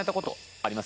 あります。